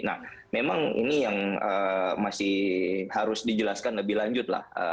nah memang ini yang masih harus dijelaskan lebih lanjut lah